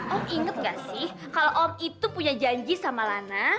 oh inget gak sih kalau om itu punya janji sama lana